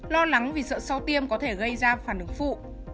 lo lắng vì sợ sau tiêm có thể gây ra phản ứng phụ